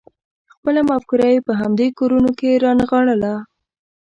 خپله مفکوره یې په همدې کورونو کې رانغاړله.